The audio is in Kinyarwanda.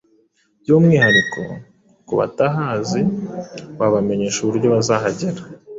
by’umwihariko. Ku batahazi wabamenyesha uburyo bazahagera